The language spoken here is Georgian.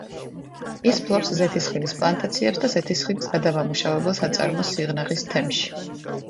ის ფლობს ზეთისხილის პლანტაციებს და ზეთისხილის გადამამუშავებელ საწარმოს სიღნაღის თემში.